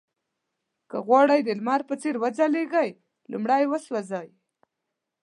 که غواړئ د لمر په څېر وځلېږئ لومړی وسوځئ.